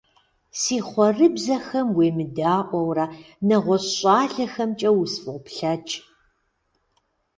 Си хъуэрыбзэхэм уемыдаӀуэурэ, нэгъуэщӀ щӀалэхэмкӀэ усфӀоплъэкӀ.